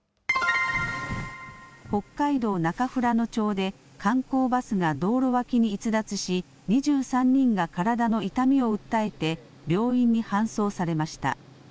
北海道中富良野町で、観光バスが道路脇に逸脱し、２３人が体の痛みを訴えて、病院に搬送されました。